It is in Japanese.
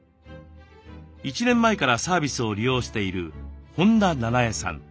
１年前からサービスを利用している本田七重さん。